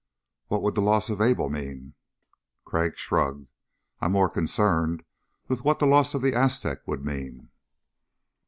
"What would the loss of Able mean?" Crag shrugged. "I'm more concerned with what the loss of the Aztec would mean."